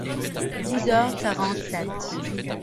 Dix heures quarante sept !